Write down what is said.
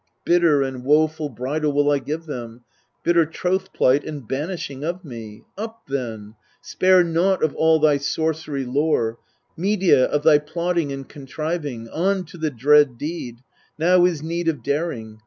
Bitter and woeful bridal will I give them, Bitter troth plight and banishing of me. Up, then ! spare naught of all thy sorcery lore, Medea, of thy plotting and contriving ; On to the dread deed ! Now is need of daring.